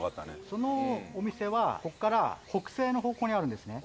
そのお店はここから北西の方向にあるんですね。